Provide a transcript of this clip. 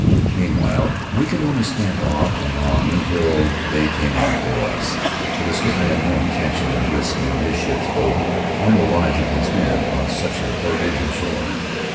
Meanwhile we could only stand off and on until they came out to us, for the skipper had no intention of risking his ship's boat and the lives of his men on such a forbidding shore.